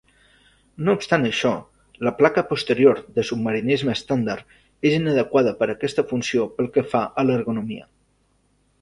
No obstant això, la placa posterior de submarinisme estàndard és inadequada per a aquesta funció pel que fa a l'ergonomia.